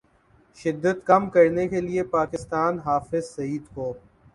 شدت کم کرنے کے لیے پاکستان حافظ سعید کو